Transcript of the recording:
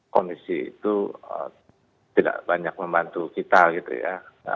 kondisi itu tidak banyak membantu kita gitu ya